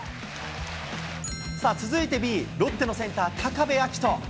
さあ、続いて、Ｂ、ロッテのセンター、高部瑛斗。